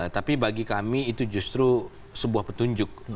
tapi bagi kami itu justru sebuah petunjuk